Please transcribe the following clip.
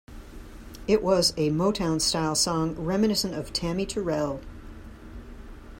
It was a Motown-style song reminiscent of Tammi Terrell.